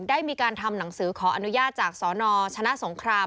ได้มีการทำหนังสือขออนุญาตจากสนชนะสงคราม